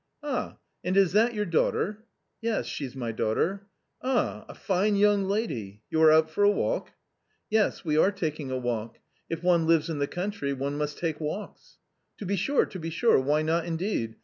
"Ah, and is. that your daughter?" " Yes, she's my daughter." " Ah, a fine young lady ! You are out for a walk ?"" Yes, we are taking a walk. If one lives in the country, one must take walks." "To be sure, to be sure, why not, indeed